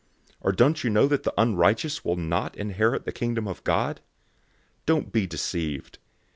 006:009 Or don't you know that the unrighteous will not inherit the Kingdom of God? Don't be deceived.